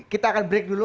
kita akan break dulu